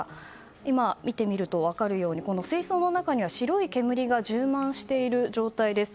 今、見てみると分かるとおり水槽の中には白い煙が充満している状態です。